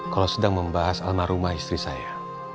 kalau sedang membahas almarhumah istri saya